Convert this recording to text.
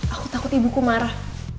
aku takut ibuku marah